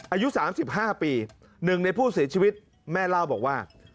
อายุ๓๕ปี๑ในผู้เสียชีวิตแม่เล่าบอกว่า